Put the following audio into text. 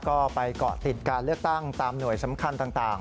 ก็ไปเกาะติดการเลือกตั้งตามหน่วยสำคัญต่าง